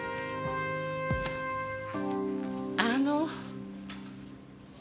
あの。